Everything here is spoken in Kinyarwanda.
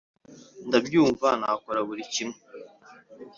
ndabyumva nakora buri kimwe